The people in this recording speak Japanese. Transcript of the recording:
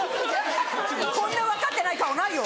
こんな分かってない顔ないよ！